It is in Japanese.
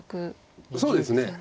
そうですね。